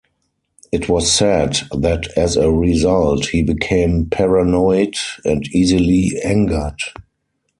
It was said that as a result, he became paranoid and easily angered.